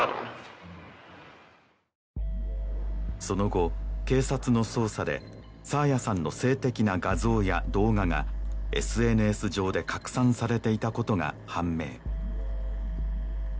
その後警察の捜査で爽彩さんの性的な画像や動画がＳＮＳ上で拡散されていたことが判明